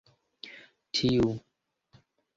tiu